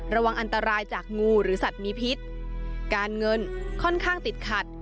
ระวังอันตรายจากงูหรือสัตว์มีพิษการเงินค่อนข้างติดขัด